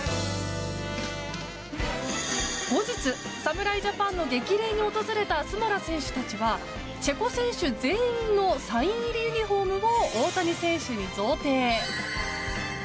後日、侍ジャパンの激励に訪れたスモラ選手たちはチェコ選手全員のサイン入りユニホームを大谷選手に贈呈。